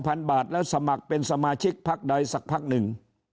ยอมจ่ายเงิน๒๐๐๐บาทและสมัครเป็นสมาชิกพักใดสักพักหนึ่ง